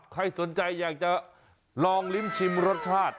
ใครสนใจอยากจะลองลิ้มชิมรสชาติ